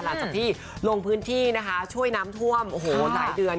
หลังจากที่ลงพื้นที่นะคะช่วยน้ำท่วมโอ้โหหลายเดือน